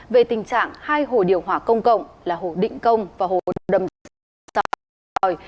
về tình trạng hai hồ điều hòa công cộng là hồ định công và hồ đầm sơn